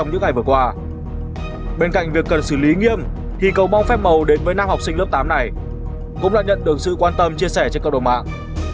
ngày vừa qua bên cạnh việc cần xử lý nghiêm thì cầu mong phép mầu đến với nam học sinh lớp tám này cũng là nhận được sự quan tâm chia sẻ trên cơ đồ mạng